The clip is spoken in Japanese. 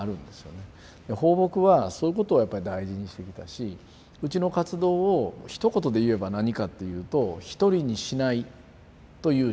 抱樸はそういうことをやっぱり大事にしてきたしうちの活動をひと言で言えば何かっていうと「一人にしない」という支援。